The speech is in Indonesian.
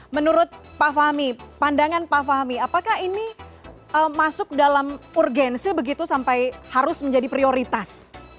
menurut pak fahmi pandangan pak fahmi apakah ini masuk dalam urgensi begitu sampai harus menjadi prioritas